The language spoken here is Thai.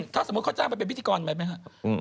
ถ้าสมมุติเขาจ้างไปเป็นพิธีกรไปไหมครับ